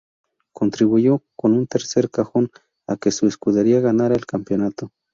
Contribuyó con un tercer cajón a que su escudería ganara el campeonato.